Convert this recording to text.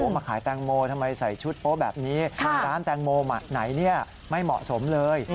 มาขายแตงโมทำไมใส่ชุดโป๊ะแบบนี้ร้านแตงโมไหนไม่เหมาะสมเลย